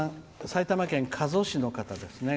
埼玉県加須市の方ですね。